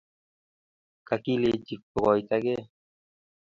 kakilenchi kokoitagei.